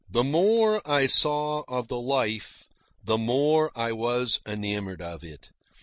The more I saw of the life, the more I was enamoured of it.